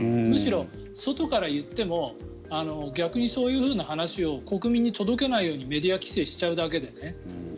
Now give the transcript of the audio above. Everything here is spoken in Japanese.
むしろ外から言っても逆にそういう話を国民に届けないようにメディア規制しちゃうだけでね。